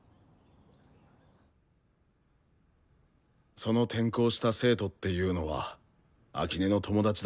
その転校した生徒っていうのは秋音の友達だったらしい。